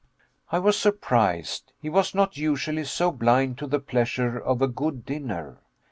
I was surprised. He was not usually so blind to the pleasure of a good dinner.